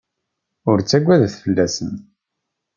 Ur ttaggadet fell-asen.